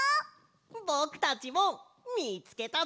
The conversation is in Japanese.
ぼくたちもみつけたぞ！